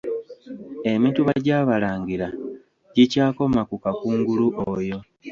Emituba gy'Abalangira gikyakoma ku Kakungulu oyo.